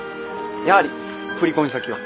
やはり振込先を。